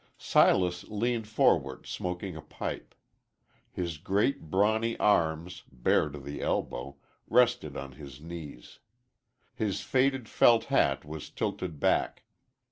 Silas leaned forward smoking a pipe. His great, brawny arms, bare to the elbow, rested on his knees. His faded felt hat was tilted back.